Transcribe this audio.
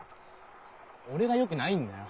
俺がよくないんだよ。